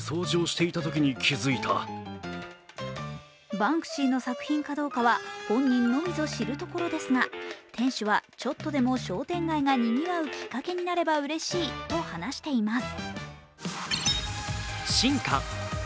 バンクシーの作品かどうかは本人のみぞ知るところですが店主は、ちょっとでも商店街がにぎわうきっかけになればうれしいと話しています。